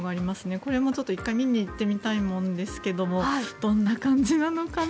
これも１回見に行ってみたいものですがどんな感じなのかな？